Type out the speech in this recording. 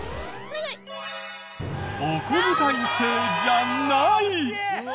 おこづかい制じゃない！